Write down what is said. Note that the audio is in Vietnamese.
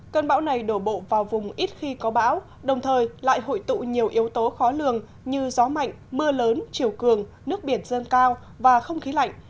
cơn bão này đổ bộ vào vùng ít khi có bão đồng thời lại hội tụ nhiều yếu tố khó lường như gió mạnh mưa lớn chiều cường nước biển dâng cao và không khí lạnh